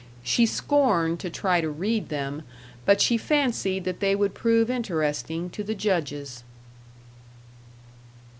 She scorned to try to read them, but she fancied that they would prove interesting to the judges.